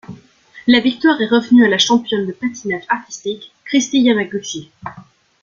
La victoire est revenue à la championne de patinage artistique Kristi Yamaguchi.